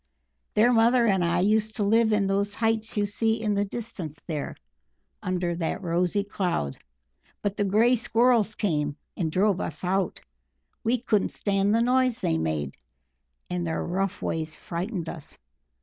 "Their mother and I used to live in those heights you see in the distance there, under that rosy cloud. But the Grey Squirrels came, and drove us out we couldn't stand the noise they made, and their rough ways frightened us.